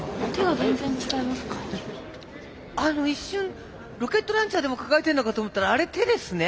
一瞬ロケットランチャーでも抱えてんのかと思ったらあれ手ですね。